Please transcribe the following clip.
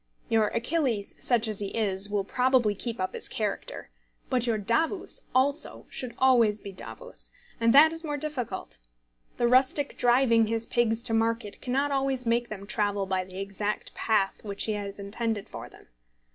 Your Achilles, such as he is, will probably keep up his character. But your Davus also should be always Davus, and that is more difficult. The rustic driving his pigs to market cannot always make them travel by the exact path which he has intended for them.